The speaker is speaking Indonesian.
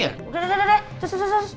udah udah udah terus terus